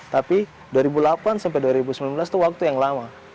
tapi dua ribu delapan sampai dua ribu sembilan belas itu waktu yang lama